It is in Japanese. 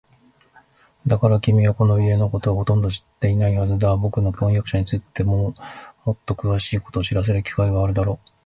だから、君はこの家のことはほとんど知っていないはずだ。ぼくの婚約者についてもっとくわしいことを知らせる機会はあるだろう。